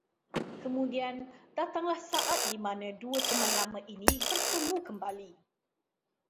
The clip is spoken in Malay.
Kemudian datanglah saat dimana dua teman lama ini bertemu kembali